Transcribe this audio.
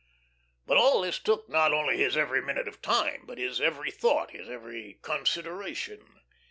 But all this took not only his every minute of time, but his every thought, his every consideration.